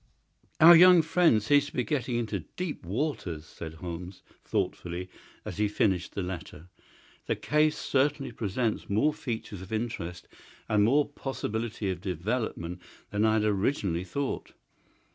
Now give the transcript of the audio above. "Our young friend seems to be getting into deep waters," said Holmes, thoughtfully, as he finished the letter. "The case certainly presents more features of interest and more possibility of development than I had originally thought.